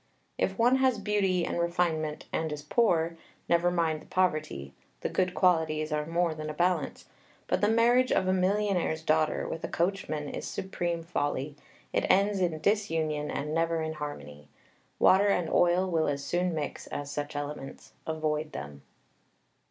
If one has beauty and refinement and is poor, never mind the poverty; the good qualities are more than a balance. But the marriage of a millionaire's daughter with a coachman is supreme folly. It ends in disunion, and never in harmony. Water and oil will as soon mix as such elements. Avoid them.